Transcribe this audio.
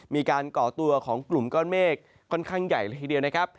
ก่อตัวของกลุ่มก้อนเมฆค่อนข้างใหญ่เลยทีเดียวนะครับ